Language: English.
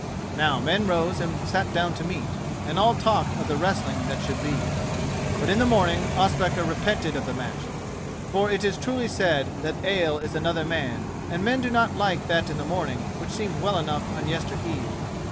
Now men rose and sat down to meat, and all talked of the wrestling that should be. But in the morning Ospakar repented of the match, for it is truly said that ale is another man, and men do not like that in the morning which seemed well enough on yester eve.